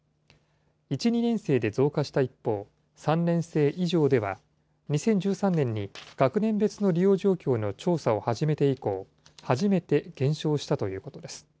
１、２年生で増加した一方、３年生以上では、２０１３年に学年別の利用状況の調査を始めて以降、初めて減少したということです。